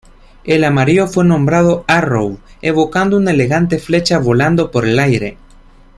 El amarillo fue nombrado "Arrow" evocando una elegante flecha volando por el aire.